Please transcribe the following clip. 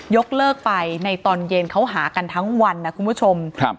ยกเลิกไปในตอนเย็นเขาหากันทั้งวันนะคุณผู้ชมครับ